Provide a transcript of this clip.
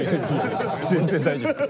全然大丈夫です。